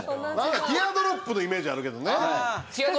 ティアドロップのイメージあるけどね。